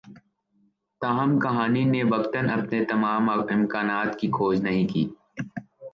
تاہم کہانی نے واقعتا اپنے تمام امکانات کی کھوج نہیں کی